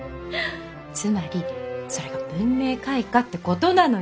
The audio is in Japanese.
つまりそれが文明開化ってことなのよ！